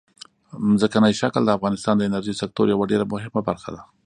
ځمکنی شکل د افغانستان د انرژۍ سکتور یوه ډېره مهمه برخه ده.